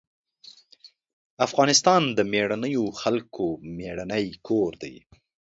افغانستان د مېړنيو خلکو مېړنی کور دی.